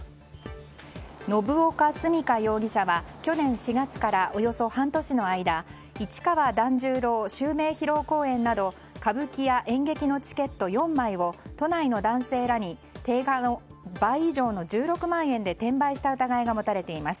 信岡純佳容疑者は去年４月から、およそ半年の間「市川團十郎襲名披露公演」など歌舞伎や演劇のチケット４枚を都内の男性らに定価の倍以上の１６万円で転売した疑いが持たれています。